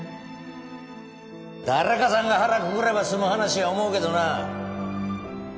誰かさんが腹くくれば済む話や思うけどな